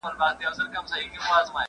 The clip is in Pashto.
تمرکز به ټینګ شي.